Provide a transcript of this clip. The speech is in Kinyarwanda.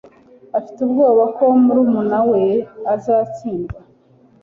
Afite ubwoba ko murumuna we azatsindwa.